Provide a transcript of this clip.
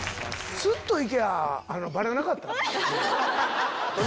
スッと行きゃバレなかったですよ。